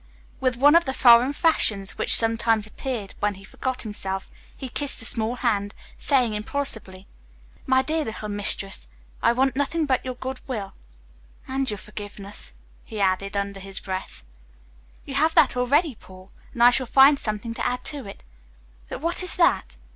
With one of the foreign fashions which sometimes appeared when he forgot himself, he kissed the small hand, saying impulsively, "My dear little mistress, I want nothing but your goodwill and your forgiveness," he added, under his breath. "You have that already, Paul, and I shall find something to add to it. But what is that?"